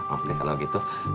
oh kalau gitu